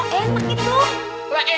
kok enak gitu